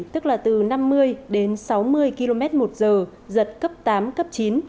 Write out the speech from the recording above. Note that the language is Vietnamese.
tức là từ năm mươi đến sáu mươi km một giờ giật cấp tám cấp chín